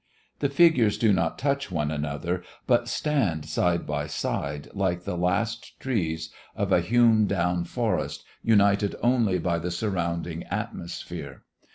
The figures do not touch one another, but stand side by side like the last trees of a hewn down forest united only by the surrounding atmosphere.